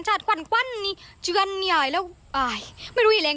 ไม่เป็นก็คือลองดูแล้ว